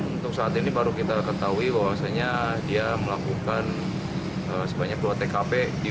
untuk saat ini baru kita ketahui bahwasannya dia melakukan sebanyak dua tkp